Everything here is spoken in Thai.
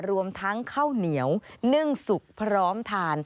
รวมทั้งข้าวเหนียวนึ่งสุกพร้อมทาน